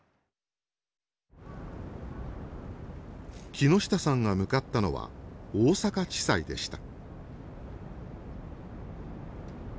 木下さんが向かったのは大阪地裁でした。